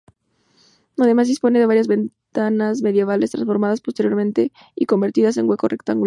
Además dispone de varias ventanas medievales transformadas posteriormente y convertidas en huecos rectangulares.